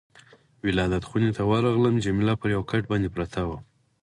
ولادت خونې ته ورغلم، جميله پر یو کټ باندې پرته وه.